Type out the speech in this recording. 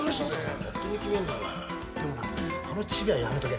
でもな、あのチビはやめとけ。